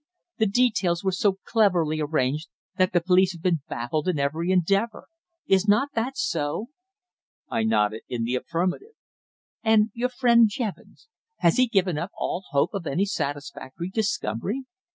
"The details were so cleverly arranged that the police have been baffled in every endeavour. Is not that so?" I nodded in the affirmative. "And your friend Jevons? Has he given up all hope of any satisfactory discovery?"